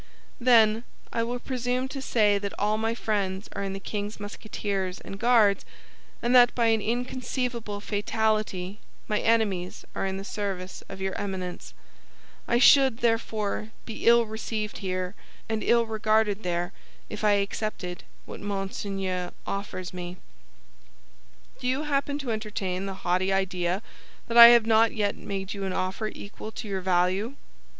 "Then, I will presume to say that all my friends are in the king's Musketeers and Guards, and that by an inconceivable fatality my enemies are in the service of your Eminence; I should, therefore, be ill received here and ill regarded there if I accepted what Monseigneur offers me." "Do you happen to entertain the haughty idea that I have not yet made you an offer equal to your value?"